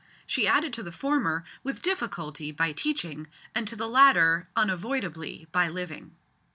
She added to the former, with difficulty, by teaching, and to the latter, unavoidably, by living.